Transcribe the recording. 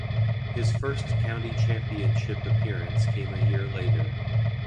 His first County Championship appearance came a year later.